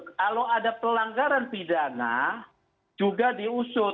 kalau ada pelanggaran pidana juga diusut